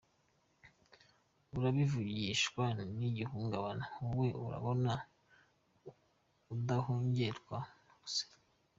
Urabivugishwa ni ihungabana ,wowe urabona udahungetwa se?